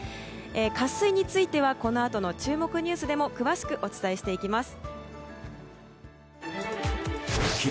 渇水についてはこのあとの注目ニュースでも詳しくお伝えしていきます。